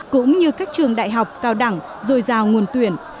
cũng như các trường đại học cao đẳng dồi dào nguồn tuyển